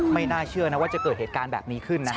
ไม่น่าเชื่อนะว่าจะเกิดเหตุการณ์แบบนี้ขึ้นนะครับ